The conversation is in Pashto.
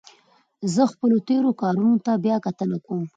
زه خپلو تېرو کارونو ته بیا کتنه کوم.